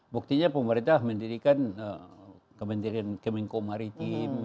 buktinya pemerintah mendirikan kementerian kemenko maritim